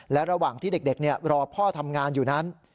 และระหว่างที่เด็กรอพ่อทำงานอยู่นั้น